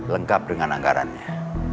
lengkap dengan anggarannya